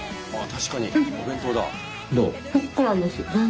確かにお弁当だ。